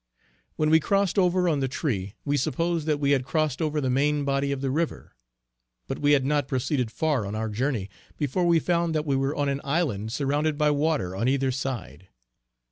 When we crossed over on the tree we supposed that we had crossed over the main body of the river, but we had not proceeded far on our journey before we found that we were on an Island surrounded by water on either side.